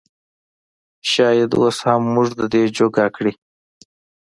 شايد اوس هم مونږ د دې جوګه کړي